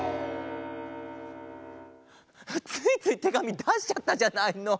ついついてがみだしちゃったじゃないの。